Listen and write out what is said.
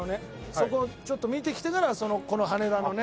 そこをちょっと見てきてからこの羽田のね